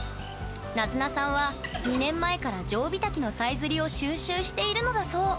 なづなさんは２年前からジョウビタキのさえずりを収集しているのだそう